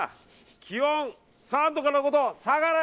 気温３度から５度下がれ！